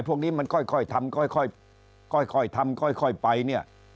พวกนี้มันค่อยทำค่อยทำค่อยไปเนี่ย